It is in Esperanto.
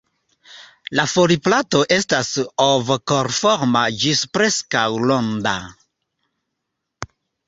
La foliplato estas ov-korforma ĝis preskaŭ ronda.